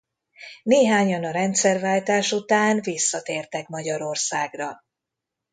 Néhányan a rendszerváltás után visszatértek Magyarországra.